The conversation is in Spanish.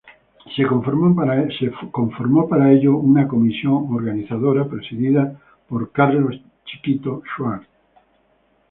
Se conformó para ello una Comisión Organizadora presidida por Carlos "Chiquito" Schwarz.